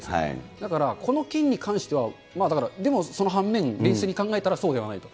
だから、この件に関しては、でもその反面、冷静に考えたら、そうではないと。